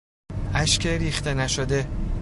اشک ریخته نشده